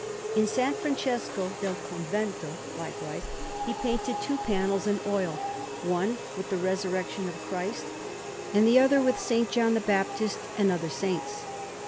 In S. Francesco del Convento, likewise, he painted two panels in oil, one with the Resurrection of Christ, and the other with S. John the Baptist and other saints.